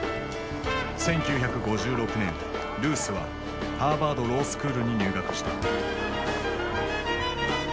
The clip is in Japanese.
１９５６年ルースはハーバード・ロースクールに入学した。